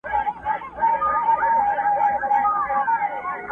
خر چي هر کله چمونه کړي د سپیو٫